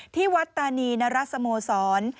ที่วัดตานีนรสโมสร